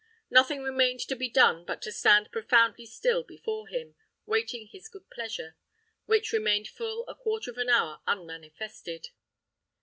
Nothing remained to be done but to stand profoundly still before him, waiting his good pleasure, which remained full a quarter of an hour unmanifested.